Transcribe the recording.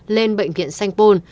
lên bệnh viện sanh pol